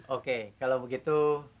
oke kalau begitu